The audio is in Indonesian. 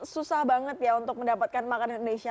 susah banget ya untuk mendapatkan makanan indonesia